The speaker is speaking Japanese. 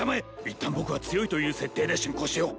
一旦僕は強いという設定で進行しよう